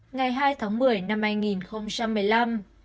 ngày hai tháng một mươi năm hai nghìn một mươi năm